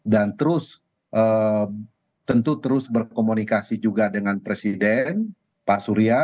dan terus tentu terus berkomunikasi juga dengan presiden pak surya